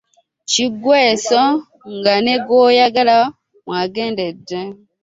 Kiggweso nga ne gwayagala mwagendedde